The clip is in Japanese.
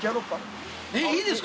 えっいいですか？